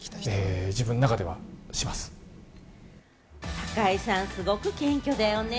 堺さん、すごく謙虚だよね。